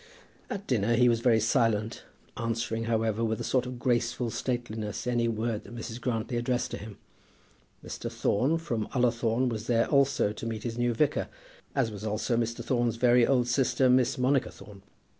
At dinner he was very silent, answering, however, with a sort of graceful stateliness any word that Mrs. Grantly addressed to him. Mr. Thorne, from Ullathorne, was there also to meet his new vicar, as was also Mr. Thorne's very old sister, Miss Monica Thorne.